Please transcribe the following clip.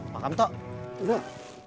makam tok udah